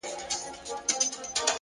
د حقیقت منل عقل ته ځواک ورکوي